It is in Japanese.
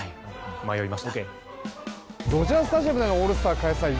ドジャースタジアムでのオールスター開催